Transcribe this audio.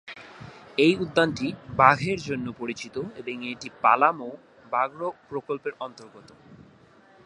এই উদ্যানটি বাঘের জন্য পরিচিত এবং এটি পালামৌ ব্যাঘ্র প্রকল্পের অন্তর্গত।